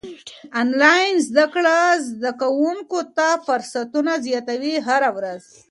انلاين زده کړه زده کوونکو ته فرصتونه زياتوي هره ورځ.